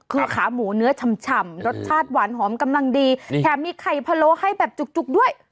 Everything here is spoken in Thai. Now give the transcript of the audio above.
คือขาหมูเนื้อฉ่ำรสชาติหวานหอมกำลังดีแถมมีไข่พะโล้ให้แบบจุกด้วย